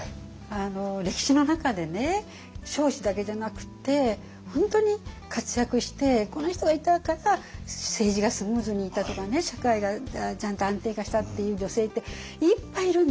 歴史の中でね彰子だけじゃなくって本当に活躍してこの人がいたから政治がスムーズにいったとかね社会がちゃんと安定化したっていう女性っていっぱいいるんですよ。